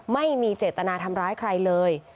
ไม่มีเจตนาทำร้ายใครเลย